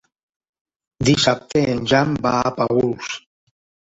Dissabte en Jan va a Paüls.